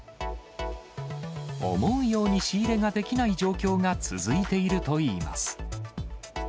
思うように仕入れができない状況が続いているといいます。